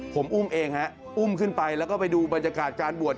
ผมอุ้มเองฮะอุ้มขึ้นไปแล้วก็ไปดูบรรยากาศการบวช